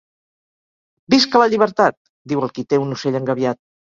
Visca la llibertat!... diu el qui té un ocell engabiat.